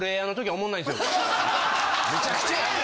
むちゃくちゃや！